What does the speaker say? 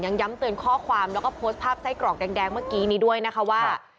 ย้ำเตือนข้อความแล้วก็โพสต์ภาพไส้กรอกแดงเมื่อกี้นี้ด้วยนะคะว่า